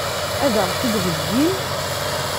Ad ɣ-tt-id-heggin?